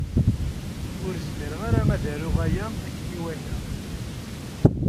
Ur zmireɣ ara ad aruɣ aya akken iwata.